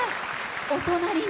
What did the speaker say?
お隣に。